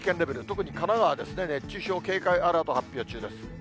特に神奈川ですね、熱中症警戒アラート発表中です。